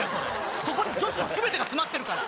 そこに女子のすべてが詰まってるから。